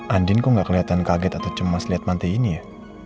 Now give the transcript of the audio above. andin kok gak keliatan kaget atau cemas liat mantai ini ya